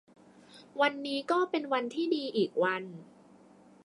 วันนี้ก็เป็นวันที่ดีอีกวัน